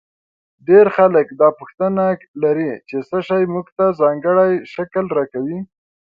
ډېر خلک دا پوښتنه لري چې څه شی موږ ته ځانګړی شکل راکوي.